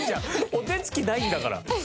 お手つきないんだから。